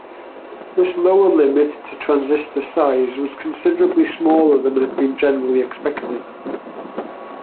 This lower limit to transistor size was considerably smaller than had been generally expected.